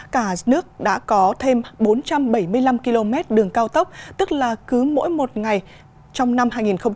cả nước đã có thêm bốn trăm bảy mươi năm km đường cao tốc tức là cứ mỗi một ngày trong năm hai nghìn hai mươi